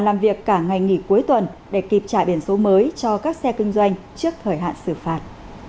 các cơ sở đăng ký đã làm việc cả ngày nghỉ cuối tuần để kịp trả biển số mới cho các xe kinh doanh trước thời hạn xử phạt